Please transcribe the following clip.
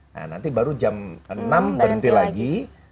nah nanti baru jam enam berhenti lagi